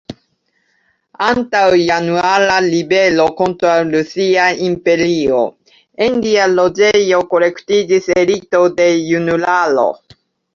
Antaŭ Januara Ribelo kontraŭ Rusia Imperio en lia loĝejo kolektiĝis elito de junularo.